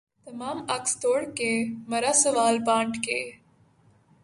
تمام عکس توڑ کے مرا سوال بانٹ کے